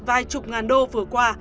vài chục ngàn đô vừa qua